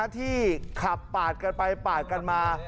ที่ขับปาดกันไปปาดกันมา